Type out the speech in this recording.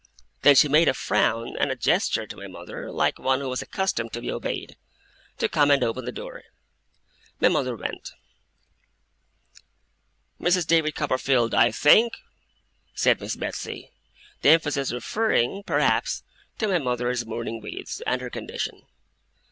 Then she made a frown and a gesture to my mother, like one who was accustomed to be obeyed, to come and open the door. My mother went. 'Mrs. David Copperfield, I think,' said Miss Betsey; the emphasis referring, perhaps, to my mother's mourning weeds, and her condition.